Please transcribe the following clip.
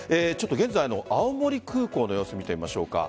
現在の青森空港の様子見てみましょうか。